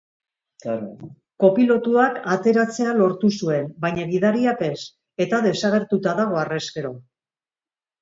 Kopilotuak ateratzea lortu zuen, baina gidariak ez, eta desagertuta dago harrezkero.